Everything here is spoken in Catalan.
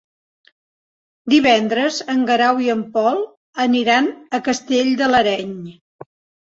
Divendres en Guerau i en Pol aniran a Castell de l'Areny.